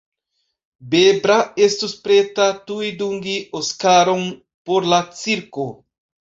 Bebra estus preta tuj dungi Oskaron por la cirko.